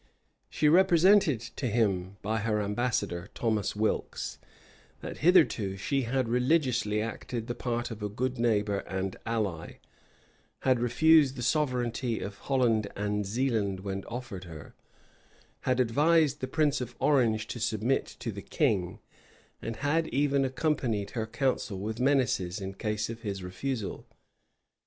She represented to him, by her ambassador, Thomas Wilkes, that hitherto she had religiously acted the part of a good neighbor and ally; had refused the sovereignty of Holland and Zealand when offered her, had advised the prince of Orange to submit to the king; and had even accompanied her counsel with menaces, in case of his refusal.